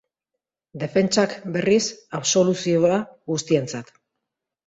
Defentsak, berriz, absoluzioa guztientzat.